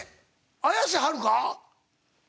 綾瀬はるか？